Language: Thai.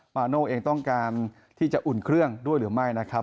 มาโน่เองต้องการที่จะอุ่นเครื่องด้วยหรือไม่นะครับ